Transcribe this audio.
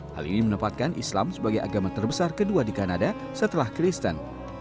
hal ini menempatkan islam sebagai agama terbesar kedua di kanada setelah kristen